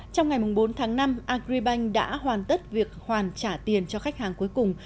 trong ngày bốn tháng năm agribank đã hoàn tất việc hoàn trả tiền cho khách hàng cuối cùng